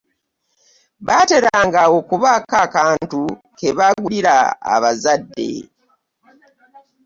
Baateranga okubaako akantu ke bagulira abazadde.